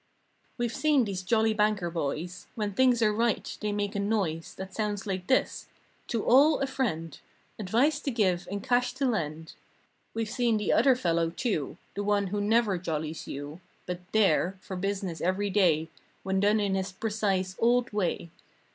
We've seen these jolly banker boys. When things are right, they make a noise That sounds like this: "To all, a friend" "Advice to give and cash to lend." We've seen the other fellow, too; The one who never jollies you. But there, for business every day, When done in his precise, "old" way.